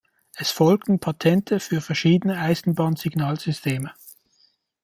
Es folgten Patente für verschiedene Eisenbahn-Signalsysteme.